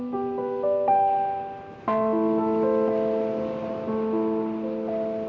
mereka ada beraktifitas forgotten